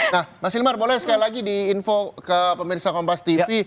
nah mas hilmar boleh sekali lagi diinfo ke pemirsa kompas tv